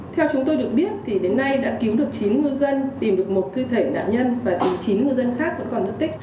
theo chúng tôi được biết thì đến nay đã cứu được chín ngư dân tìm được một thi thể nạn nhân và chín ngư dân khác vẫn còn mất tích